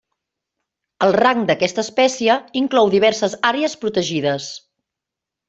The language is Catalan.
El rang d'aquesta espècie inclou diverses àrees protegides.